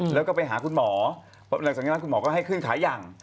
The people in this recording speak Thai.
แล้วก็ไปหาคุณหมอหลังจากนั้นเขาให้คืนข่ายัง